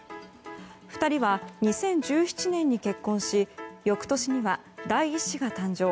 ２人は２０１７年に結婚し翌年には第１子が誕生。